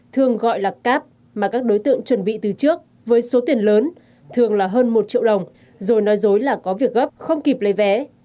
thường gọi là cáp mà các đối tượng chuẩn bị từ trước với số tiền lớn thường là hơn một triệu đồng rồi nói dối là có việc gấp không kịp lấy vé